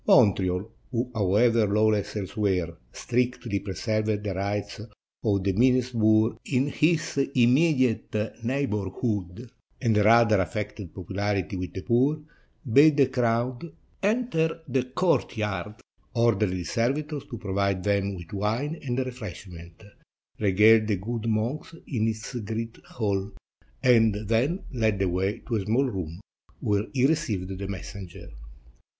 Montreal, who, however lawless elsewhere, strictly preserved the rights of the meanest boor in his immedi ate neighborhood, and rather affected popularity with the poor, bade the crowd enter the courtyard, ordered his servitors to provide them with wine and refresh ment, regaled the good monks in his great hall, and then led the way to a small room, where he received the messenger.